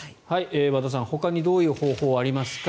和田さん、ほかにどういう方法がありますか。